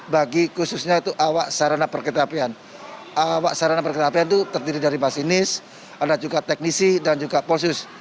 bagi khususnya itu awak sarana perkerjaan awak sarana perkerjaan itu terdiri dari masinis ada juga teknisi dan juga polsius